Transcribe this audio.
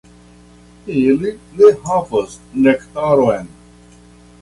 Ili ne havas nektaron.